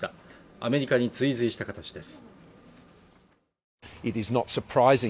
アメリカに追随した形です